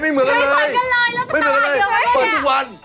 ที่ที่กายที่แล้วไม่จอมถูกไหม